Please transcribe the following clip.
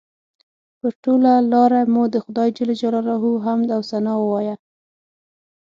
پر ټوله لاره مو د خدای جل جلاله حمد او ثنا ووایه.